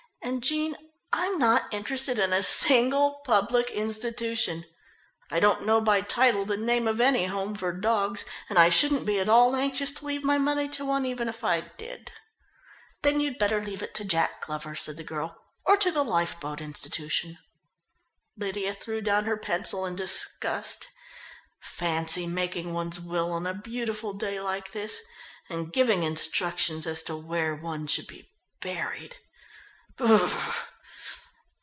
"And, Jean, I'm not interested in a single public institution! I don't know by title the name of any home for dogs, and I shouldn't be at all anxious to leave my money to one even if I did." "Then you'd better leave it to Jack Glover," said the girl, "or to the Lifeboat Institution." Lydia threw down her pencil in disgust. "Fancy making one's will on a beautiful day like this, and giving instructions as to where one should be buried.